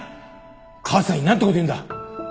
母さんになんて事言うんだ！